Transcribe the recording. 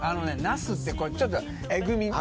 なすってちょっとエグみ